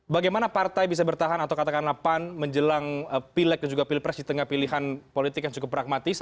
bagaimana partai bisa bertahan atau katakanlah pan menjelang pilek dan juga pilpres di tengah pilihan politik yang cukup pragmatis